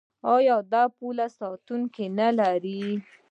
دا پوله ساتونکي نلري.